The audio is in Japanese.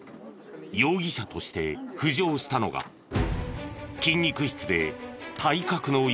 容疑者として浮上したのが筋肉質で体格のいい